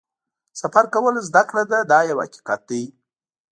سفر کول زده کړه ده دا یو حقیقت دی.